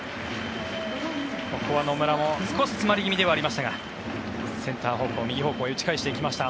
ここは野村も少し詰まり気味ではありましたがセンター方向、右方向へ打ち返していきました。